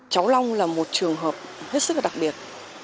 cháu long là một trường hợp rất đặc biệt